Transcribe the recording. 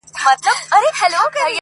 يوه ورځ چي گيند را خوشي سو ميدان ته-